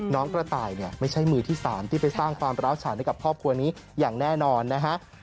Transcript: น้องตระไต่ไม่ใช่มือที่สามที่ไปสร้างความแล้วฉาได้กับครอบครัวนี้อย่างแน่นอนนะฮะ